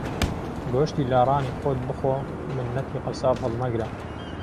گۆشتی لاڕانی خۆت بخۆ مننهتی قهساب ههڵمهگره